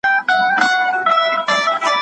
روغتونونه له وخته فعال دي.